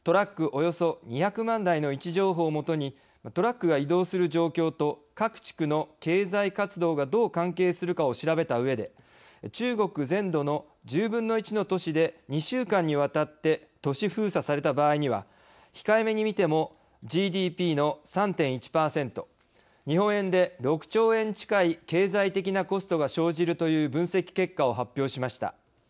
およそ２００万台の位置情報を基にトラックが移動する状況と各地区の経済活動がどう関係するかを調べたうえで中国全土の１０分の１の都市で２週間にわたって都市封鎖された場合には控えめに見てもＧＤＰの３．１％、日本円で６兆円近い経済的なコストが生じるという分析結果を発表しました。